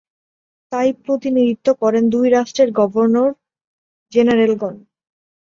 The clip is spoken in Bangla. তার প্রতিনিধিত্ব করেন দুই রাষ্ট্রের গভর্নর-জেনারেলগণ।